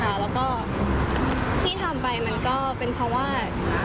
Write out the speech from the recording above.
แล้วก็ที่ทำไปมันก็เป็นเพราะว่า